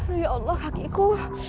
aduh ya allah kaki ku